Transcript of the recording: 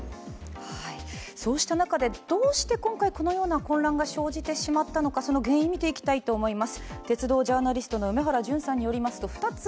そうした中で、どうして今回このような混乱が生じてしまったのか、その原因を見ていきたいと思います。